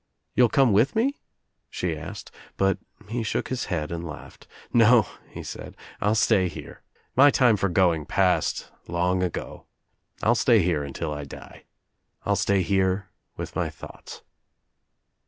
"You'll come with me?" she asked, but he shook his head and laughed. "No," he said, "I'll stay here. My time for going passed long ago. I'll stay here until I die. I'll stay here with my thoughts."